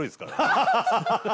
「ハハハハ！」